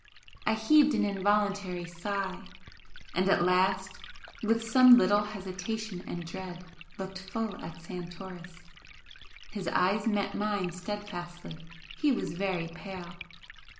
I heaved an involuntary sigh and at last, with some little hesitation and dread, looked full at Santoris. His eyes met mine steadfastly he was very pale.